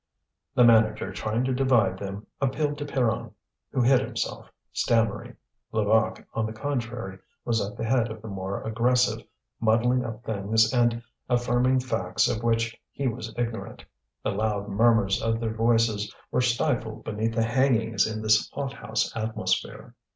The manager, trying to divide them, appealed to Pierron, who hid himself, stammering. Levaque, on the contrary, was at the head of the more aggressive, muddling up things and affirming facts of which he was ignorant. The loud murmurs of their voices were stifled beneath the hangings in the hot house atmosphere.